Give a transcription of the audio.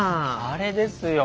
あれですよ。